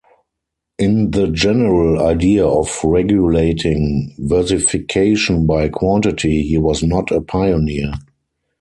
In the general idea of regulating versification by quantity, he was not a pioneer.